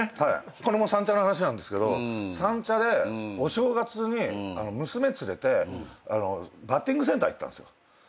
これも三茶の話なんですけど三茶でお正月に娘連れてバッティングセンター行ったんですよ。